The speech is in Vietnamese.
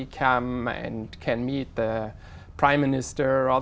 các bạn có thể giải quyết